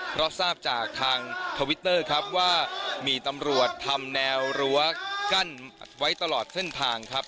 เพราะทราบจากทางทวิตเตอร์ครับว่ามีตำรวจทำแนวรั้วกั้นไว้ตลอดเส้นทางครับ